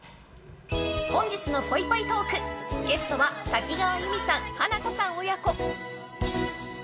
本日のぽいぽいトークゲストは多岐川裕美さん華子さん親子。